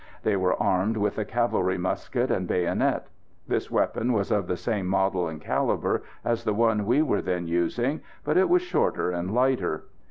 They were armed with the cavalry musket and bayonet. This weapon was of the same model and calibre as the one we were then using, but it was shorter and lighter.